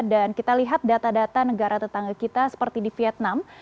dan kita lihat data data negara tetangga kita seperti di vietnam